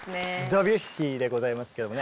ドビュッシーでございますけどもね